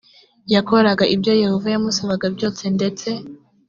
yakoraga ibyo yehova yamusabaga byose ndetse